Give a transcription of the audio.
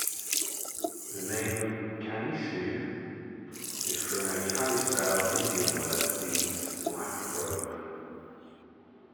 The name "Kaniksu" is from a Kalispel Indian word which means "black robe.